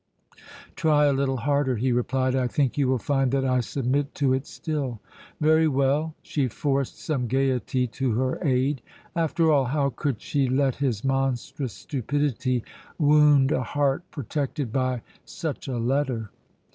"Try a little harder," he replied. "I think you will find that I submit to it still" "Very well." She forced some gaiety to her aid. After all, how could she let his monstrous stupidity wound a heart protected by such a letter?